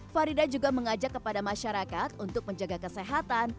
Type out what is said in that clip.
farida juga mengajak kepada masyarakat untuk menjaga kesehatan